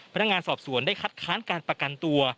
พนักงานสอบสวนได้คัดค้านการประกันตัว